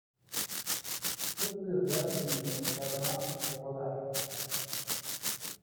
Cursó estudios de arte en la Universidad Brown de Rhode Island.